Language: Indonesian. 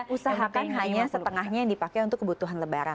usahakan hanya setengahnya yang dipakai untuk kebutuhan lebaran